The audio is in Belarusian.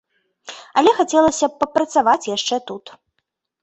Але хацелася б папрацаваць яшчэ тут.